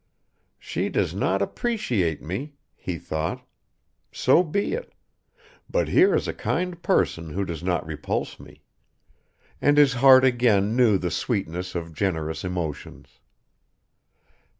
"She does not appreciate me!" he thought. "So be it ...! but here is a kind person who does not repulse me," and his heart again knew the sweetness of generous emotions.